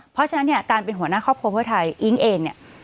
เพราะฉะนั้นเนี่ยการเป็นหัวหน้าครอบครัวเพื่อไทยอิ๊งเองเนี่ย